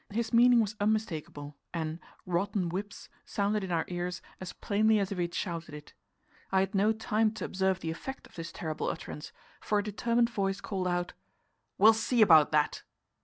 His meaning was unmistakable, and "rotten whips" sounded in our ears as plainly as if he had shouted it. I had no time to observe the effect of this terrible utterance, for a determined voice called out: "We'll see about that!"